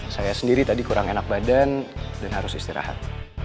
saya sendiri tadi kurang enak badan dan harus istirahat